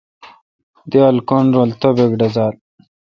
دییال کّن رل توبَک ڈزال۔